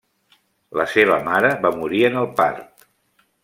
La seva mare va morir en el part.